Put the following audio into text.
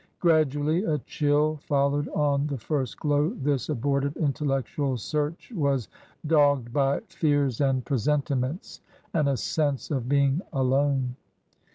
Gradually a chill followed on the first glow; this abortive intellectual search was dogged by fears and presentiments and a sense of being alone.